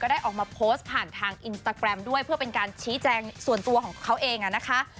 ได้ออกมาโพสต์ผ่านทางอินสตาแกรมด้วยเพื่อเป็นการชี้แจงส่วนตัวของเขาเองนะคะ